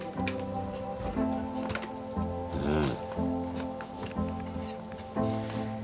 うん。